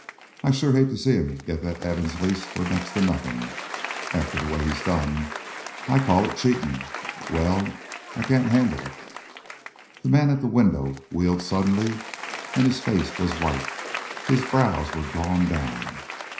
I sure hate to see him git that Evans lease for next to nothin', after the way he done. I'd call it cheat in', but well, I can't han'le it." The man at the window wheeled suddenly and his face was white, his brows were drawn down.